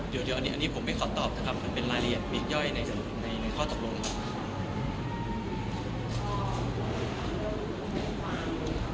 เดี๋ยวเดี๋ยวอันนี้อันนี้ผมไม่ขอตอบนะครับมันเป็นรายละเอียดมีอีกย่อยในในในข้อตกลงนะครับ